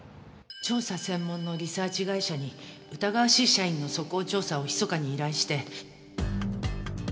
調査専門のリサーチ会社に疑わしい社員の素行調査をひそかに依頼して。